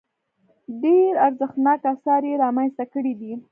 ډېر ارزښتناک اثار یې رامنځته کړي دي.